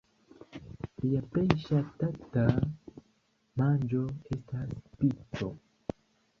Lia plej ŝatata manĝo estas pico.